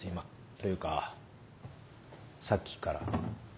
というかさっきから。